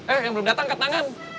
eh yang belum dateng angkat tangan